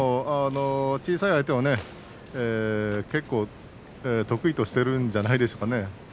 小さな相手を結構得意としているんじゃないでしょうかね。